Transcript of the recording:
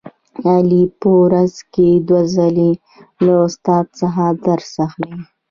علي په ورځ کې دوه ځلې له استاد څخه درس اخلي.